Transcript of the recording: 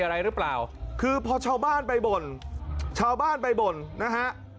อะไรหรือเปล่าคือพอชาวบ้านไปบ่นชาวบ้านไปบ่นนะฮะ